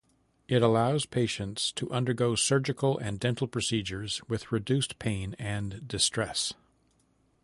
It allows patients to undergo surgical and dental procedures with reduced pain and distress.